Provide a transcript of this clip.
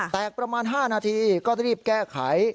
ประมาณ๕นาทีก็รีบแก้ไข